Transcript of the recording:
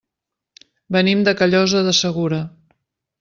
Venim de Callosa de Segura.